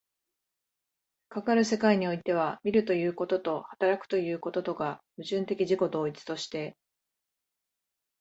かかる世界においては、見るということと働くということとが矛盾的自己同一として、